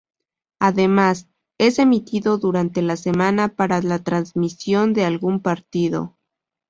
Además, es emitido durante la semana para la transmisión de algún partido.